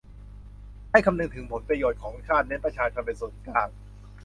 ให้คำนึงถึงผลประโยชน์ของชาติ เน้นประชาชนเป็นศูนย์กลาง